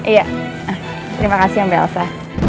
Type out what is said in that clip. iya terima kasih mbak elva